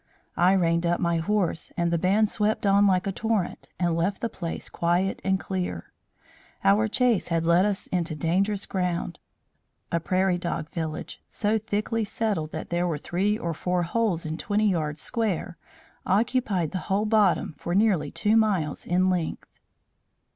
I reined up my horse, and the band swept on like a torrent, and left the place quiet and clear. Our chase had led us into dangerous ground. A prairie dog village, so thickly settled that there were three or four holes in twenty yards square, occupied the whole bottom for nearly two miles in length."